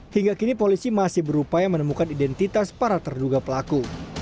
hingga kini polisi masih berupaya menemukan identitas para terduga pelaku